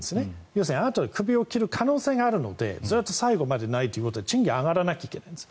要するにあなたのクビを切る可能性があるのでずっと最後までないということは賃金が上がらないといけないんです。